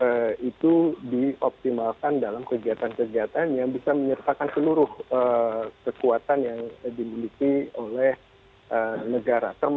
dan itu dioptimalkan dalam kegiatan kegiatan yang bisa menyertakan seluruh kekuatan yang dimiliki oleh negara